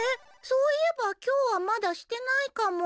そういえば今日はまだしてないかも。